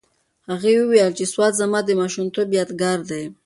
هغې وویل چې سوات زما د ماشومتوب یادګار دی.